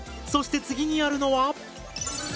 そして次にやるのは？